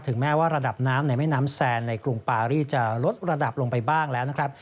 แม้ว่าระดับน้ำในแม่น้ำแซนในกรุงปารีจะลดระดับลงไปบ้างแล้วนะครับ